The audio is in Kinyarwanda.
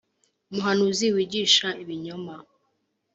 Umuhanuzi wigisha ibinyoma